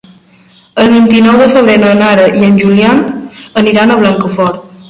El vint-i-nou de febrer na Nara i en Julià aniran a Blancafort.